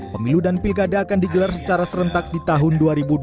pemilu dan pilkada akan digelar secara serentak di tahun dua ribu dua puluh